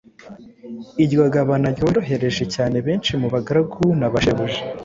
Iryo gabana ryorohereje cyane benshi mu ba garagu na bashebuja.